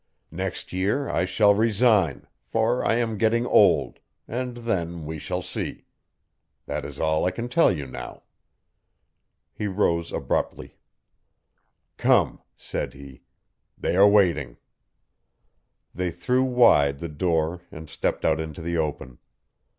Next year I shall resign, for I am getting old, and then we shall see. That is all I can tell you now." He arose abruptly. "Come," said he, "they are waiting." They threw wide the door and stepped out into the open.